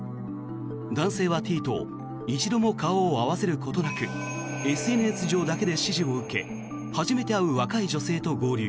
男性はＴと一度も顔を合わせることなくＳＮＳ上だけで指示を受け初めて会う若い女性と合流。